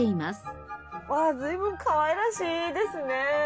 わあ随分かわいらしいですね。